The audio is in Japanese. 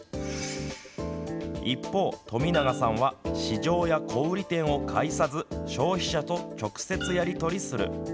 一方、富永さんは市場や小売店を介さず消費者と直接やり取りする。